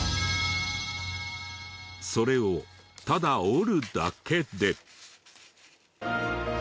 それをただ折るだけで。